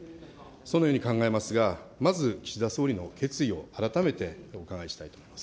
そのように考えますが、まず岸田総理の決意を改めてお伺いしたいと思います。